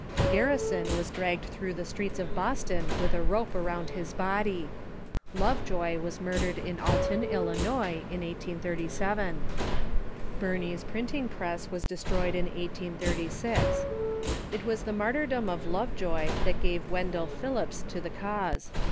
Garrison was dragged through the streets of Boston with a I'ope around his body. Lovejoy was murdered in Alton, Illinois, in 1837. Birney's printing press was destroyed in 1836. It was the martyrdom of Love joy that gave Wendell Phillips to the cause.